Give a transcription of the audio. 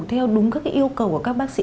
theo đúng các yêu cầu của các bác sĩ